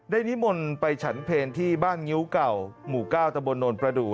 ได้นิมลไปฉันเพลงที่บ้านเงิวก่าวหมู่เก้าตะบนโดนประดูก